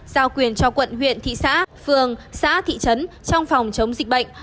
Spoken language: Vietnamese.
giao quyền cho quận huyện thị xã phường xã thị trấn trong phòng chống dịch bệnh